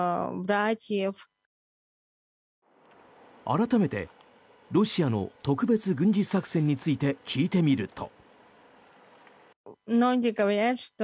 改めてロシアの特別軍事作戦について聞いてみると。